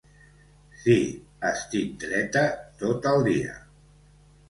Sí. Estic dreta tot el dia